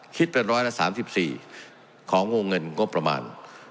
คิดเป็นร้อยละ๓๔ของวงเงินงบประมาณ